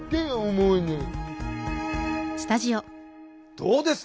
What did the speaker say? どうですか？